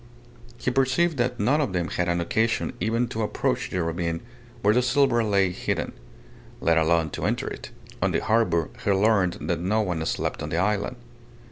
He perceived that none of them had any occasion even to approach the ravine where the silver lay hidden; let alone to enter it. In the harbour he learned that no one slept on the island.